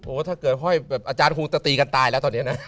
ถ้าเกิดห้อยแบบอาจารย์ครูจะตีกันตายแล้วตอนนี้นะ